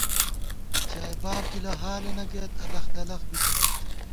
ژائے باب گِلہ حالَنہ گَئیت ، الخ دلخ بِتَنَئیت